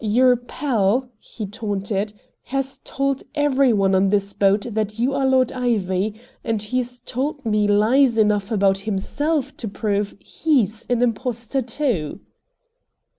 Your pal," he taunted, "has told every one on this boat that you are Lord Ivy, and he's told me lies enough about HIMSELF to prove HE'S an impostor, too!"